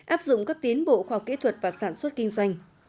áp dụng các tiến bộ khoa học kỹ thuật và sản xuất kinh doanh